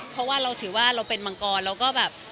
เพราะว่าเราถือว่าเราเป็นมังกรเราก็แบบ